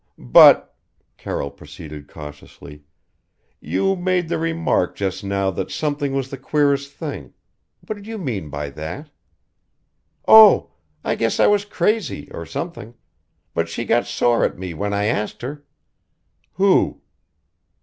"But " Carroll proceeded cautiously "you made the remark just now that something was the queerest thing. What did you mean by that?" "Oh! I guess I was crazy or something. But she got sore at me when I asked her " "Who?"